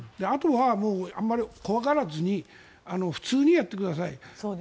あとは、あまり怖がらずに普通にやってください。